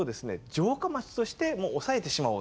城下町としてもうおさえてしまおうと。